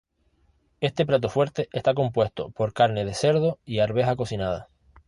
Este plato fuerte está compuesto por carne de cerdo y arveja cocinada.